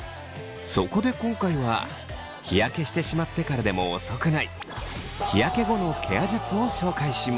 そこで今回は日焼けしてしまってからでも遅くない日焼け後のケア術を紹介します。